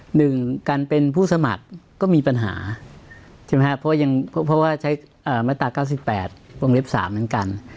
หนึ่งการเป็นผู้สมัครก็มีปัญหาใช่ไหมครับเพราะว่าใช้มาตรา๙๘วงเล็บ๓เหมือนกัน